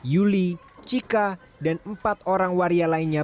yuli cika dan empat orang waria lainnya